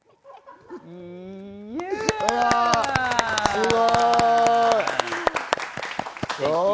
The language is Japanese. すごい！